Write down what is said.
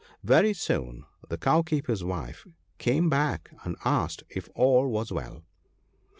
Very soon the Cowkeeper's wife came back and asked if 'all was well.'